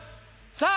さあ